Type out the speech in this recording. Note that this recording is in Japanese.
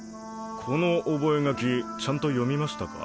この覚書ちゃんと読みましたか？